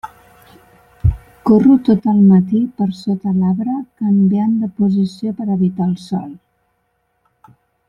Corro tot el matí per sota l'arbre canviant de posició per evitar el sol.